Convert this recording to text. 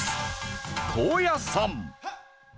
高野山。